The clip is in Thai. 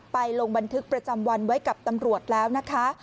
ลงบันทึกประจำวันไว้กับตำรวจแล้วนะคะ